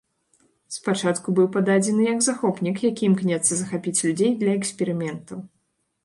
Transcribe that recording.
Спачатку быў пададзены як захопнік, які імкнецца захапіць людзей для эксперыментаў.